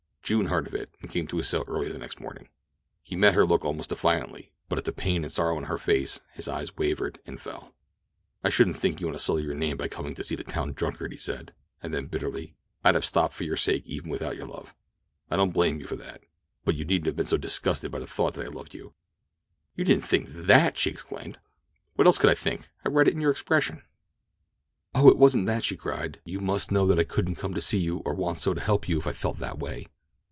June heard of it, and came to his cell early the next morning. He met her look almost defiantly, but at the pain and sorrow in her face his eyes wavered and fell. "I shouldn't think you want to sully your name by coming to see the town drunkard," he said; and then, bitterly, "I'd have stopped for your sake even without your love. I don't blame you for that; but you needn't have been so disgusted with the thought that I loved you." "You didn't think that?" she exclaimed. "What else could I think? I read it in your expression." "Oh, it wasn't that," she cried. "You must know that I couldn't come to see you, or want so to help you, if I felt that way!"